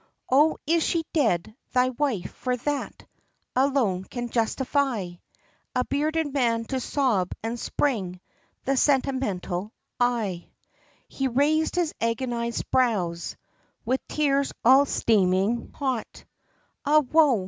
O is she dead, thy wife? for that, Alone can justify, A bearded man to sob, and spring The sentimental eye." He raised his agonised brows, With tears, all steaming hot, "Ah woe!"